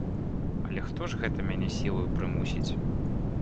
Але хто ж гэта мяне сілаю прымусіць?